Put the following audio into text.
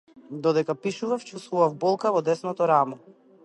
Додека пишував чуствував болка во десното рамо.